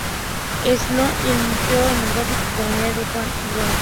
Estanislao López" y el Museo Etnográfico y Colonial "Juan de Garay".